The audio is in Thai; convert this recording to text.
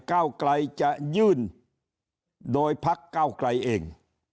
ก้าวไกลจะยื่นโดยพักเก้าไกลเอง